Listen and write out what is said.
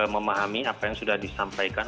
memahami apa yang sudah disampaikan